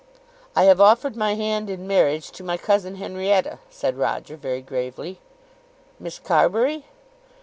"I have offered my hand in marriage to my cousin Henrietta," said Roger very gravely. "Miss Carbury?"